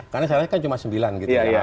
karena saya kan cuma sembilan gitu ya